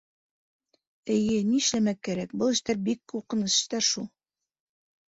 — Эйе, ни эшләмәк кәрәк, был эштәр бик ҡурҡыныс эштәр шул.